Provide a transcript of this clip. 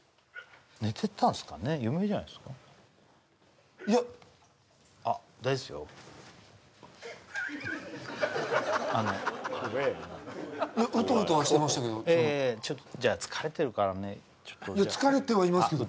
寝てたんすかね夢じゃないですかいやあ大丈夫っすよあのうとうとはしてましたけどええええええじゃあ疲れてるからねいや疲れてはいますけどあ